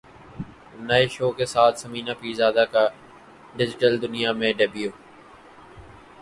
نئے شو کے ساتھ ثمینہ پیرزادہ کا ڈیجیٹل دنیا میں ڈیبیو